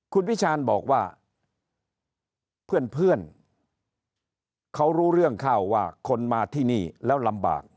คุณพิชานบอกว่าเพื่อนเขารู้เรื่องเข้าว่าคนมาที่นี่แล้วลำบาก